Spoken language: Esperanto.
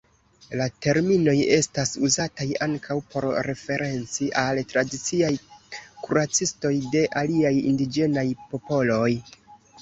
La terminoj estas uzataj ankaŭ por referenci al tradiciaj kuracistoj de aliaj indiĝenaj popoloj.